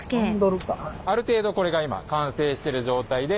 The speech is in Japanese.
ある程度これが今完成してる状態で。